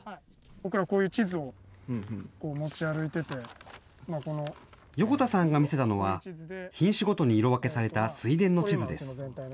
僕ら、横田さんが見せたのは、品種ごとに色分けされた水田の地図です。